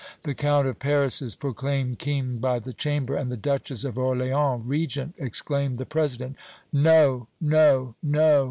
"The Count of Paris is proclaimed King by the Chamber and the Duchess of Orléans Regent!' exclaimed the President. "No no no!"